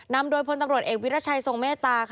นำโดยพลตำรวจเอกวิรัชัยทรงเมตตา